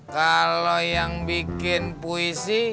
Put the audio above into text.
kalau yang bikin puisi